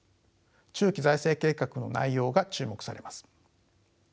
中期財政計画の内容が注目されます。